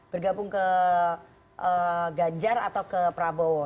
bergabung ke ganjar atau ke prabowo